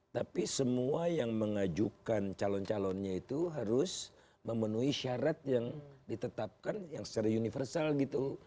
tapi semua yang mengajukan calon calonnya itu harus memenuhi syarat yang ditetapkan yang secara universal gitu